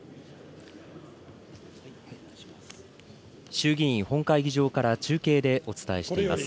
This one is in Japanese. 衆議院本会議場から中継でお伝えしています。